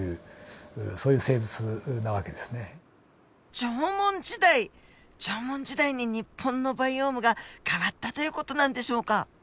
縄文時代に日本のバイオームが変わったという事なんでしょうか？